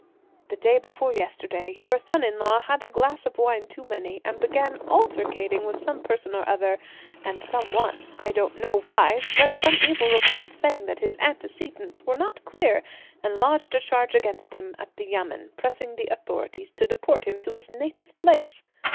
The day before yesterday, your son in law had a glass of wine too many, and began altercating with some person or other; and some one, I don't know why, spread some evil report, saying that his antecedents were not clear, and lodged a charge against him at the Yamen, pressing the authorities to deport him to his native place.